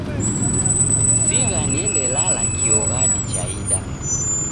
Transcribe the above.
Sigha niendelala kio ghadi chaida.